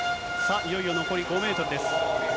いよいよ残り５メートルです。